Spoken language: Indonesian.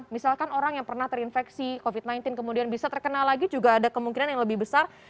misalkan orang yang pernah terinfeksi covid sembilan belas kemudian bisa terkena lagi juga ada kemungkinan yang lebih besar